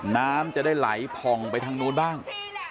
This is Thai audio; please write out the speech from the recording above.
น้ำจะได้ไหลผ่องไปทางนู้นบ้าง